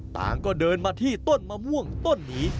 ต่างก็เดินมาที่ต้นมะม่วงต้นนี้